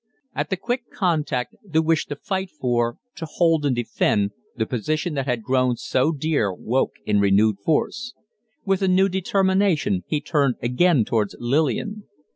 At the quick contact the wish to fight for to hold and defend the position that had grown so dear woke in renewed force. With a new determination he turned again towards Lillian.